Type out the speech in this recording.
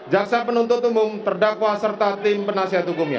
jaksa penuntut umum terdakwa serta tim penasihat hukumnya